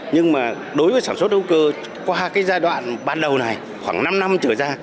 nhưng mà đối với sản xuất hữu cơ qua cái giai đoạn ban đầu này khoảng năm năm trở ra